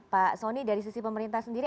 pak soni dari sisi pemerintah sendiri